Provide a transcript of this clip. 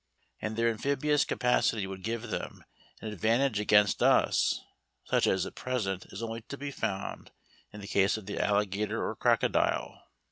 And their amphibious capacity would give them an advantage against us such as at present is only to be found in the case of the alligator or crocodile.